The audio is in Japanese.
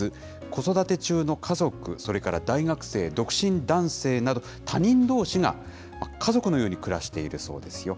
子育て中の家族、それから大学生、独身男性など、他人どうしが家族のように暮らしているそうですよ。